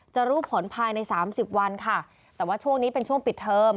จะรู้ผลภายในสามสิบวันค่ะแต่ว่าช่วงนี้เป็นช่วงปิดเทอม